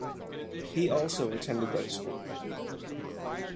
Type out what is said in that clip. He also attended that school.